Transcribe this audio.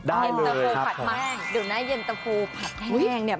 เย็นตะโฟผัดแป้งเดี๋ยวนะเย็นตะโฟผัดแห้งเนี่ย